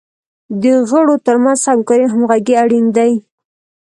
د غړو تر منځ همکاري او همغږي اړین دی.